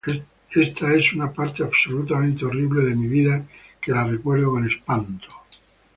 Esta es una parte absolutamente horrible de mi vida, que la recuerdo con espanto“.